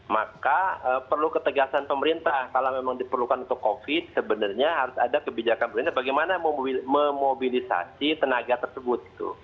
maka perlu ketegasan pemerintah kalau memang diperlukan untuk covid sebenarnya harus ada kebijakan pemerintah bagaimana memobilisasi tenaga tersebut